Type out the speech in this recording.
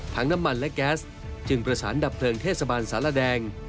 น้ำมันและแก๊สจึงประสานดับเพลิงเทศบาลสารแดง